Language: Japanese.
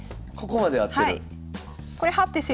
ここまで合ってる？